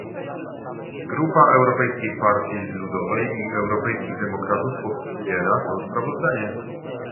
Grupa Europejskiej Partii Ludowej i Europejskich Demokratów popiera to sprawozdanie